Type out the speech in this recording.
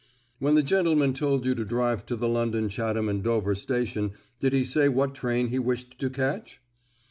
"When the gentleman told you to drive to the London, Chatham, and Dover station, did he say what train he wished to catch?"